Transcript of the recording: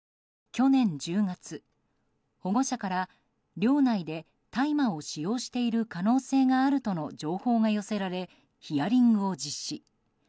去年１０月、保護者から寮内で大麻を使用している可能性があるとの情報が寄せられヒアリングを実施。